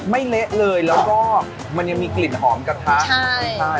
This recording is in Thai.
เละเลยแล้วก็มันยังมีกลิ่นหอมกระทะใช่